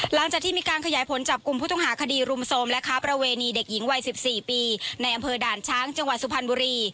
หลังจากที่มีการขยายผลจับกลุ่มผู้ต้องหาคดีรุมโทรมและค้าประเวณีเด็กหญิงวัย๑๔ปีในอำเภอด่านช้างจังหวัดสุพรรณบุรี